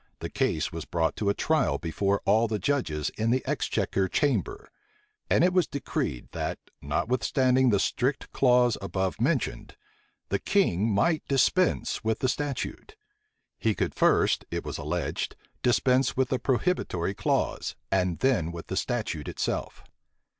the case was brought to a trial before all the judges in the exchequer chamber; and it was decreed, that, notwithstanding the strict clause above mentioned, the king might dispense with the statute: he could first, it was alleged, dispense with the prohibitory clause, and then with the statute itself.